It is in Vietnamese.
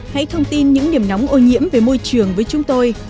hãy thông tin những điểm nóng ô nhiễm về môi trường với chúng tôi